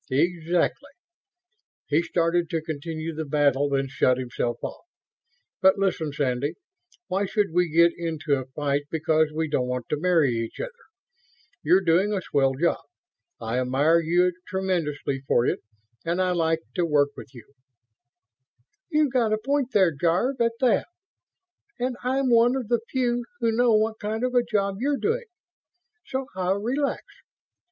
"Exactly...." He started to continue the battle, then shut himself off. "But listen, Sandy, why should we get into a fight because we don't want to marry each other? You're doing a swell job. I admire you tremendously for it and I like to work with you." "You've got a point there, Jarve, at that, and I'm one of the few who know what kind of a job you're doing, so I'll relax."